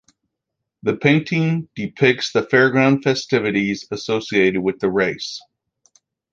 The painting depicts the fairground festivities associated with the race.